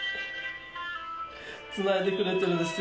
つないでくれてるんですよ。